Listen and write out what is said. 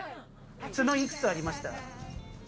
角幾つありました？